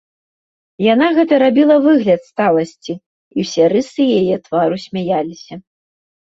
Яна гэта рабіла выгляд сталасці, і ўсе рысы яе твару смяяліся.